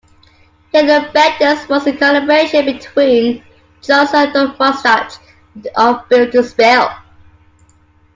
Halo Benders was a collaboration between Johnson and Doug Martsch of Built To Spill.